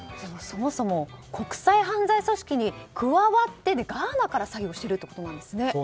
そもそも国際犯罪組織に加わって、ガーナから詐欺をしてるってことなんですね。